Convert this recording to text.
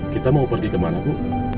kita mau pergi ke mana bu